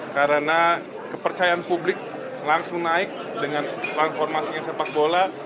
karena kepercayaan publik langsung naik dengan transformasi sepak bola